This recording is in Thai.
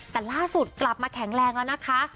แต่ล่าสุดกลับมาแข็งแรงแล้วนะคะ